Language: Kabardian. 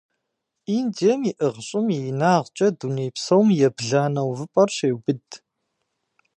Индием иӀыгъ щӀым и инагъкӀэ дуней псом ебланэ увыпӀэр щеубыд.